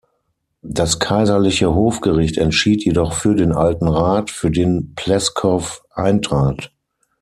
Das kaiserliche Hofgericht entschied jedoch für den alten Rat, für den Pleskow eintrat.